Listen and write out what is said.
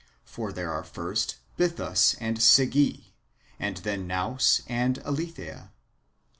For there are first Bythus and Sige, and then Nous and Aletheia.